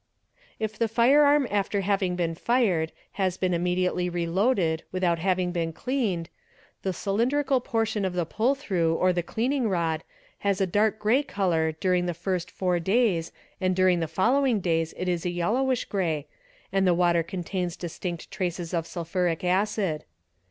_ If the firearm after having been fired has been immediately reloaded without having been cleaned, the cylindrical portion of the pull through : bs the cleaning rod, has a dark grey colour during the first four days and ing the following days it is yellowish grey and the water contains a 230 THE EXPERT distinct traces of sulphuric acid.